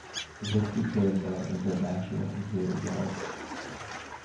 This became known as the National Security Guard.